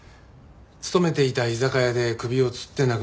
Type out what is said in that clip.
勤めていた居酒屋で首をつって亡くなっておりました。